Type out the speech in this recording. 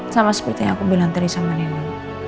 sama seperti yang aku bilang tadi sama neno